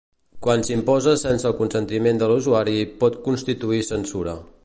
Quan s'imposa sense el consentiment de l'usuari, pot constituir censura.